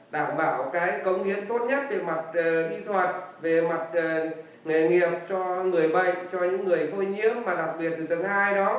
đảm bảo cái công nghiệp tốt nhất về mặt kỹ thuật về mặt nghề nghiệp cho người bệnh cho những người khôi nhiễm mà đặc biệt từ tầng hai đó